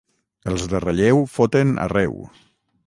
Els de Relleu foten arreu.